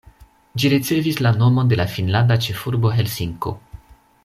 Ĝi ricevis la nomon de la finnlanda ĉefurbo Helsinko.